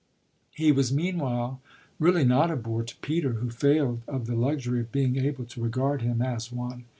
He was meanwhile really not a bore to Peter, who failed of the luxury of being able to regard him as one.